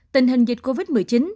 tình hình dịch covid một mươi chín